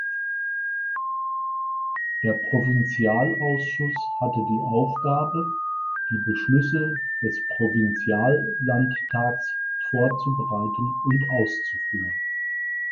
Der Provinzialausschuss hatte die Aufgabe, die Beschlüsse des Provinziallandtags vorzubereiten und auszuführen.